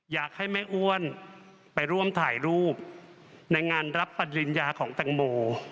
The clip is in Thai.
อยากให้แม่อ้วนไปร่วมถ่ายรูปในงานรับปริญญาของแตงโม